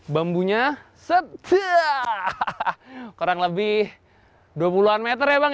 bambunya setia kurang lebih dua puluh an meter ya bang